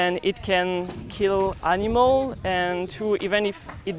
dan bisa membunuh binatang